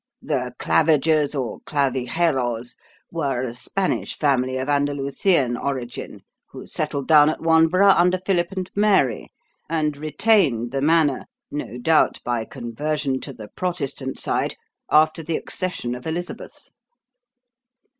"The Clavigers or Clavigeros were a Spanish family of Andalusian origin, who settled down at Wanborough under Philip and Mary, and retained the manor, no doubt by conversion to the Protestant side, after the accession of Elizabeth."